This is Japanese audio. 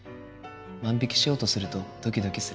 万引きしようとするとドキドキする。